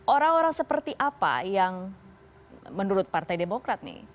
orang orang seperti apa yang menurut partai demokrat nih